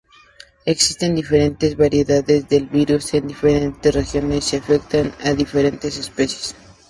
Existen diferentes variedades del virus en diferentes regiones, y afectan a diferentes especies.